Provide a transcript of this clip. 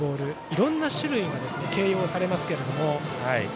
いろんな種類の形容がされますけども。